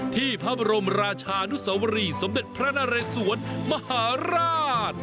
ที่พระบรมราชานุสวรีสมเด็จพระนเรสวนมหาราช